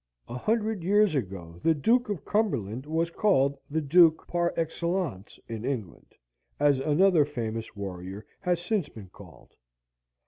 A hundred years ago the Duke of Cumberland was called The Duke par excellence in England as another famous warrior has since been called.